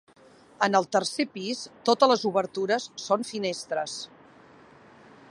En el tercer pis totes les obertures són finestres.